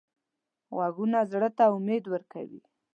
غږونه زړه ته امید ورکوي